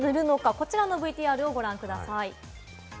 こちらのＶＴＲをご覧ください。